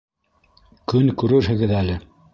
Көн күрерһегеҙ әле.